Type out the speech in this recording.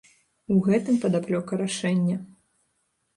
У гэтым падаплёка рашэння.